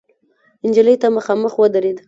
نجلۍ ته مخامخ ودرېد.